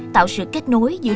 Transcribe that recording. tạo sự kết nối giữa